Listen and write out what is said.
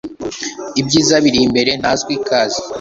Ibyiza biri imbere Ntazwi kazi